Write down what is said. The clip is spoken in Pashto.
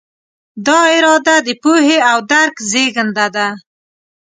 دا اراده د پوهې او درک زېږنده ده.